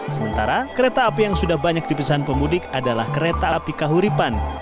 sementara kereta api yang sudah banyak dipesan pemudik adalah kereta api kahuripan